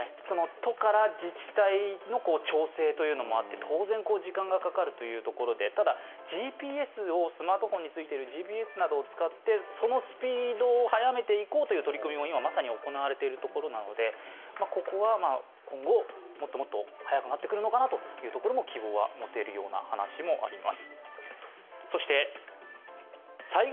都から自治体への調整というのもあって当然、時間がかかるというところでただ、スマートフォンなどのＧＰＳなどを使ってそのスピードを早めていこうという取り組みも今まさに行われているところなのでここは今後、もっともっと早くなってくるのかなというところも希望は持てる話もあります。